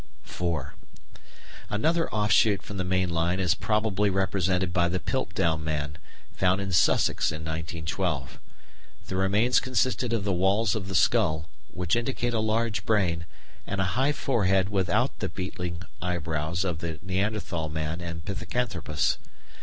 4. Another offshoot from the main line is probably represented by the Piltdown man, found in Sussex in 1912. The remains consisted of the walls of the skull, which indicate a large brain, and a high forehead without the beetling eyebrows of the Neanderthal man and Pithecanthropus.